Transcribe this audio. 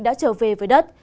đã trở về với đất